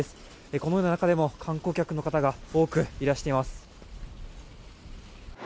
このような中でも、観光客の方が多くいらしています。